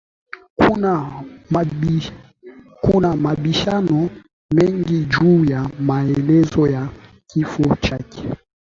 kuna mabishano mengi juu ya maelezo ya kifo chake